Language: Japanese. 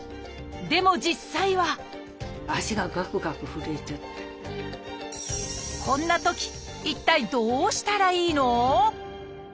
でも実際はこんなとき一体どうしたらいいの？